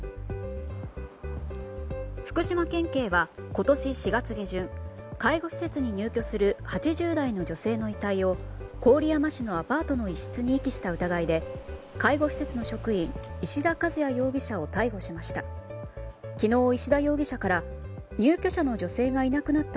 福島県警は、今年４月下旬介護施設に入居する８０代の女性の遺体を郡山市のアパートの一室に遺棄した疑いで介護施設の職員石田兼也容疑者を逮捕しました。